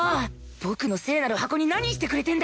僕の聖なる箱に何してくれてんだ！